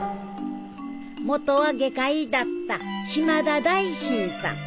元は外科医だった島田大心さん。